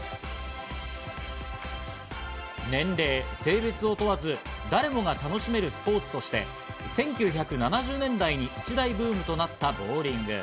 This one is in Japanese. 年齢・性別を問わず、誰もが楽しめるスポーツとして１９７０年代に一大ブームとなったボウリング。